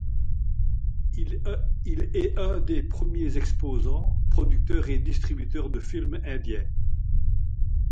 Il est un des premiers exposants, producteurs et distributeurs de films indiens.